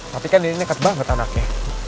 tapi kan ini dekat banget anaknya